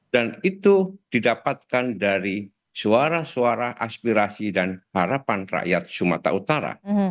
dan itu didapatkan dari suara suara aspirasi dan harapan rakyat sumatera utara